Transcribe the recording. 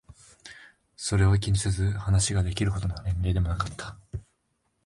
それを気にせず話ができるほどの年齢でもなかった。